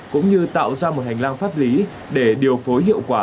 cũng như tạo ra một hành lang pháp lý để điều phối hiệu quả